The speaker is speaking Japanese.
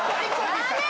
ダメ！